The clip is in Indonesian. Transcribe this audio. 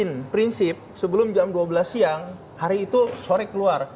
dan prinsip sebelum jam dua belas siang hari itu sore keluar